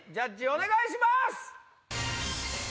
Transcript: お願いします。